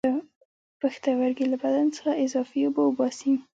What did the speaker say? پښتورګي له بدن څخه اضافي اوبه وباسي